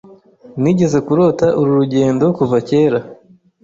Nigeze kurota uru rugendo kuva kera.